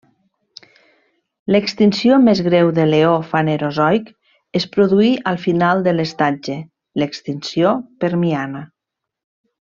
L'extinció més greu de l'eó Fanerozoic es produí al final de l'estatge: l'extinció permiana.